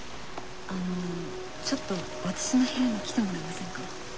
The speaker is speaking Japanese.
あのちょっと私の部屋に来てもらえませんか？